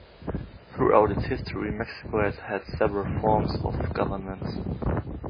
Throughout its history, Mexico has had several forms of government.